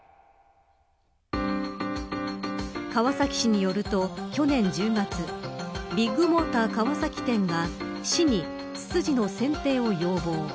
川崎市によると去年１０月ビッグモーター川崎店が市に、ツツジの剪定を要望。